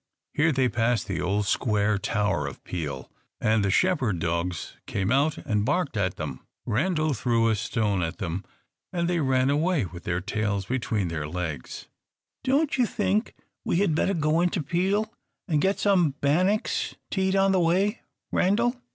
Here they passed the old square tower of Peel, and the shepherd dogs came out and barked at them. Randal threw a stone at them, and they ran away with their tails between their legs. [Illustration: Page 265] "Don't you think we had better go into Peel, and get some bannocks to eat on the way, Randal?"